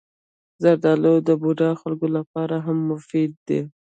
زردالو د بوډا خلکو لپاره هم مفید دی.